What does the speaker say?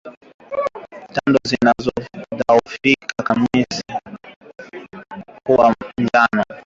Tando zinazohifadhi kamasi kuwa njano